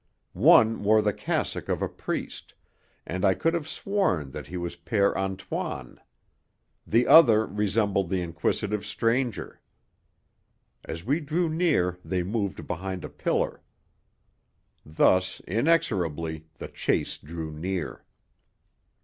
One wore the cassock of a priest, and I could have sworn that he was Père Antoine; the other resembled the inquisitive stranger. As we drew near they moved behind a pillar. Thus, inexorably, the chase drew near.